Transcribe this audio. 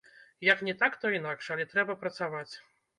Як не так, то інакш, але трэба працаваць.